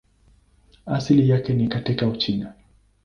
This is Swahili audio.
Asili yake ni katika Uchina.